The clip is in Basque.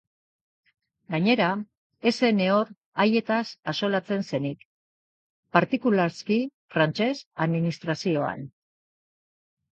Gainera, ez zen nehor heietaz axolatzen zenik, partikulazki frantses administrazioan.